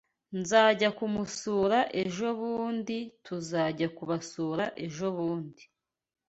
Nzajya kumusura ejobundiTuzajya kubasura ejobundi.